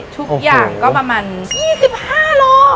ทุกอย่างก็ประมาณ๒๕โล